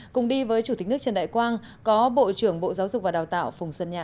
cùng đi với chủ tịch nước trần đại quang có bộ trưởng bộ giáo dục và đào tạo phùng xuân nhạ